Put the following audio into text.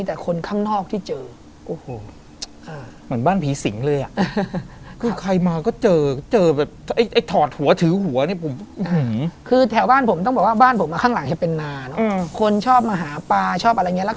อันนี้คือตอนแรกที่โดนไม้ไผ่